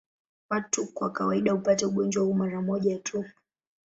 Watu kwa kawaida hupata ugonjwa huu mara moja tu.